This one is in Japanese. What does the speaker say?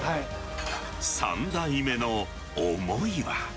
３代目の思いは。